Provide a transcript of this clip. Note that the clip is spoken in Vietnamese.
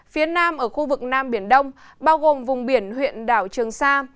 phía nam ở khu vực nam biển đông bao gồm vùng biển huyện đảo trường sa